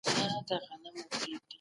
د رڼاګانو شيشمحل کي